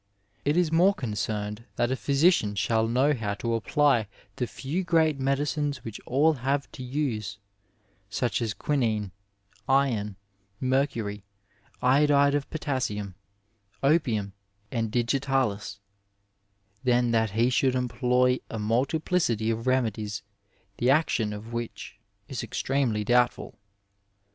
It is more concerned that a physician shall know 268 Digitized by VjOOQIC MEDICINE IN THE NINETEENTH CENTURY how to apply the few gieat medicines which all have to use, such as quimne, iron, mercury, iodide of potassium^ opimn and digitalis, than that he should employ a multiplicity of remedies the action of which is extremely doubtful.